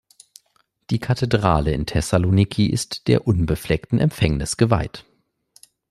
Die Kathedrale in Thessaloniki ist der Unbefleckten Empfängnis geweiht.